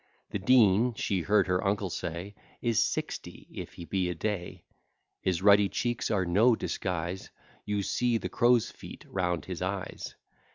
The Dean, she heard her uncle say, Is sixty, if he be a day; His ruddy cheeks are no disguise; You see the crow's feet round his eyes.